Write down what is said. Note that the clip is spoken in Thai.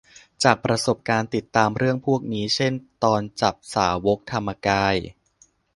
จากประสบการณ์ติดตามเรื่องพวกนี้ เช่น ตอนจับสาวกธรรมกาย